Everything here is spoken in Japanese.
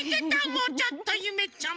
もうちょっとゆめちゃん